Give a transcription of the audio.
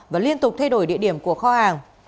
và liên tục thay đổi địa điểm của kho hàng